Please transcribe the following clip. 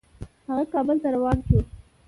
هغه کابل ته روان شو.